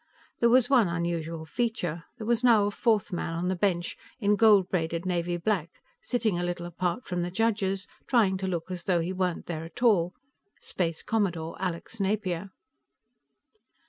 There was one unusual feature; there was now a fourth man on the bench, in gold braided Navy black; sitting a little apart from the judges, trying to look as though he weren't there at all Space Commodore Alex Napier.